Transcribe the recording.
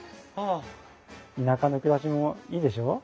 田舎の暮らしもいいでしょう？